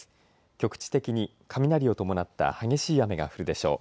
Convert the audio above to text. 局地的に雷を伴った激しい雨が降るでしょう。